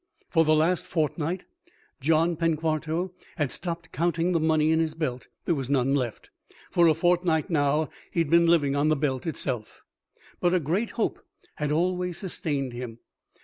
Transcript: For the last fortnight John Penquarto had stopped counting the money in his belt. There was none left. For a fortnight now he had been living on the belt itself. But a great hope had always sustained him.